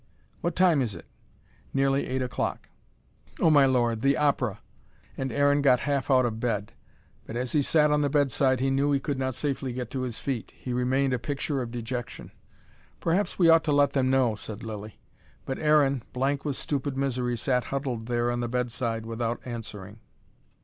"What time is it?" "Nearly eight o'clock." "Oh, my Lord, the opera." And Aaron got half out of bed. But as he sat on the bedside he knew he could not safely get to his feet. He remained a picture of dejection. "Perhaps we ought to let them know," said Lilly. But Aaron, blank with stupid misery, sat huddled there on the bedside without answering.